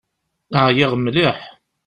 Ɛyiɣ mliḥ.